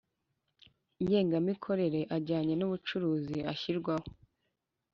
ngengamikorere ajyanye n ubucuruzi ashyirwaho